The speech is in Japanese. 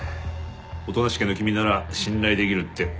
音無家の君なら信頼できるって思い出してね